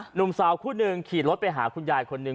หนุ่มสาวคู่หนึ่งขี่รถไปหาคุณยายคนหนึ่ง